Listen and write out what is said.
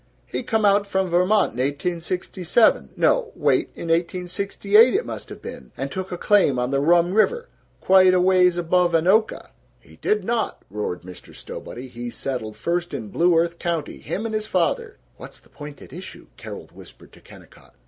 "He come out from Vermont in 1867 no, wait, in 1868, it must have been and took a claim on the Rum River, quite a ways above Anoka." "He did not!" roared Mr. Stowbody. "He settled first in Blue Earth County, him and his father!" ("What's the point at issue?") Carol whispered to Kennicott.